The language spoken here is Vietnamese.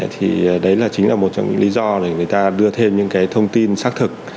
thì đấy chính là một trong những lý do để người ta đưa thêm những cái thông tin xác thực